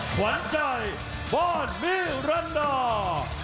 ขวานใจบอนมิรันดา